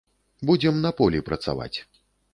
Будзем на полі працаваць.